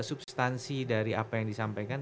substansi dari apa yang disampaikan